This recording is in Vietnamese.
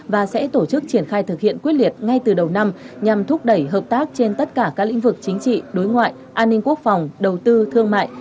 và sẽ tổ chức triển khai thực hiện quyết liệt ngay từ đầu năm nhằm thúc đẩy hợp tác trên tất cả các lĩnh vực chính trị đối ngoại an ninh quốc phòng đầu tư thương mại